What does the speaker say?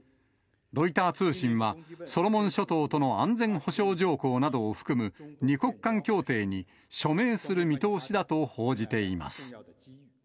ロイター通信は、ソロモン諸島との安全保障条項などを含む、２か国間協定に署名する見通しだと報じています。